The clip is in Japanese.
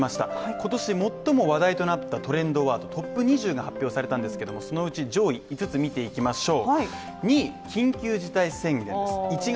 今年最も話題となったトレンドワードトップ２０が発表されたんですけどそのうち上位五つ見ていきましょう。